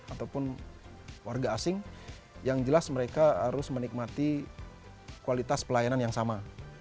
ataupun warga asing yang jelas mereka harus menikmati kualitas pelayanan yang sama